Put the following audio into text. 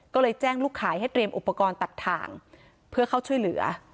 ก็เลยแจ้งลูกขายให้เตรียมอุปกรณ์ตัดทางเพื่อเข้าช่วยเหลือ